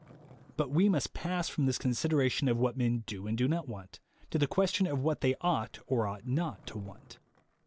But we must pass from this consideration of what men do and do not want, to the question of what they ought or ought not to want.